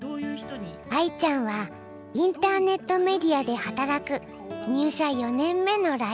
愛ちゃんはインターネットメディアで働く入社４年目のライター。